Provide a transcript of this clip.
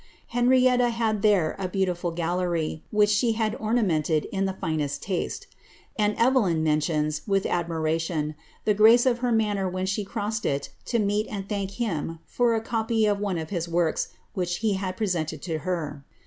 Henrietta had there b«otiful gallery, which she had ornamented in the finest taste ; and fdyn mentions, with admiration, the grace of her manner when she wed it to meet and thank him for a copy of one of his works which B had presented to her.